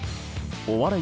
お笑い